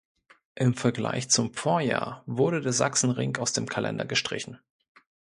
Im Vergleich zum Vorjahr wurde der Sachsenring aus dem Kalender gestrichen.